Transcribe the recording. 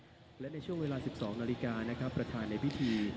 และในช่วงเวลา๑๒นาฬิกานะครับประธานในพิธี